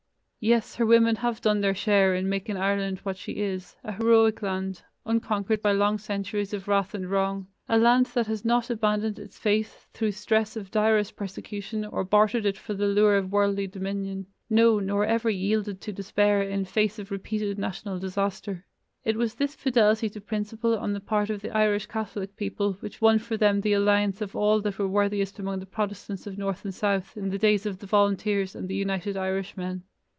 Yes, her women have done their share in making Ireland what she is, a heroic land, unconquered by long centuries of wrath and wrong, a land that has not abandoned its Faith through stress of direst persecution or bartered it for the lure of worldly dominion; no nor ever yielded to despair in face of repeated national disaster. It was this fidelity to principle on the part of the Irish Catholic people which won for them the alliance of all that were worthiest among the Protestants of north and south in the days of the Volunteers and the United Irishmen.